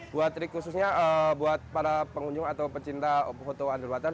buat trik khususnya buat para pengunjung atau pecinta foto underwater